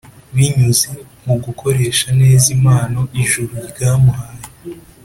binyuze mu gukoresha neza impano ijuru ryamuhaye.